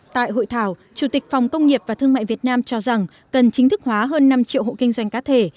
tại hội thảo chủ tịch phòng công nghiệp và thương mại việt nam cho rằng cần chính thức hóa hơn năm triệu hộ kinh doanh cá thể